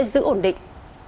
giữ ổn định